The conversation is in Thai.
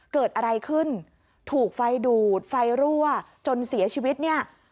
เกิดอะไรขึ้นถูกไฟดูดไฟรั่วจนเสียชีวิตเนี่ย